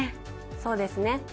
そうですね。